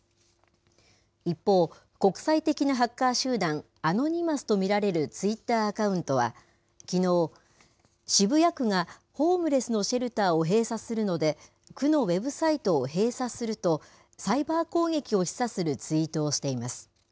一方、国際的なハッカー集団、アノニマスと見られるツイッターアカウントは、きのう、渋谷区がホームレスのシェルターを閉鎖するので、区のウェブサイトを閉鎖すると、サイバー攻撃を示唆するツイートをしています。